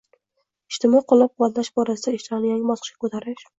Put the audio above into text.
ijtimoiy qo‘llab-quvvatlash borasidagi ishlarni yangi bosqichga ko'tarish